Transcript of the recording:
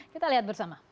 kita lihat bersama